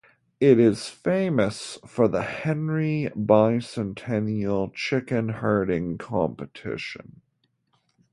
It is famous for the Henry Bicentennial Chicken Herding Competition.